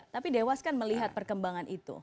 tapi dewas kan melihat perkembangan itu